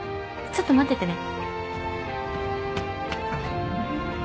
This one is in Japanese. ちょっと待っててね。